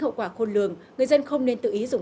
hậu quả khôn lường người dân không nên tự ý dùng